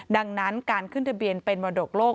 ดังนั้นการขึ้นทะเบียนเป็นมรดกโลก